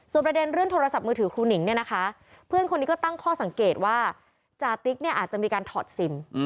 ประเด็นเรื่องโทรศัพท์มือถือครูหนิงเนี่ยนะคะเพื่อนคนนี้ก็ตั้งข้อสังเกตว่าจาติ๊กเนี่ยอาจจะมีการถอดซิม